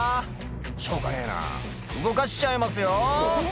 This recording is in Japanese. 「しょうがねえな動かしちゃいますよ」